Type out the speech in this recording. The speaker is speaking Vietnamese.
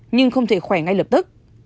nhưng không thể khỏe ngay lập tức